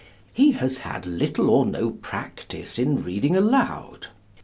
He has had little or no practice in reading aloud.